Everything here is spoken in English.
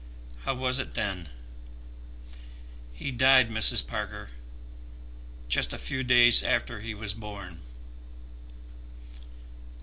"How was it then?" "He died, Mrs. Parker, just a few days after he was born."